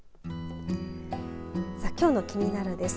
さあ、きょうのキニナル！です。